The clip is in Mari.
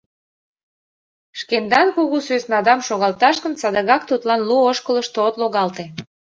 Шкендан кугу сӧснадам шогалташ гын, садыгак тудлан лу ошкылышто от логалте.